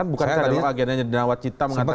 bukannya ada agennya yang di nawat cita mengatakan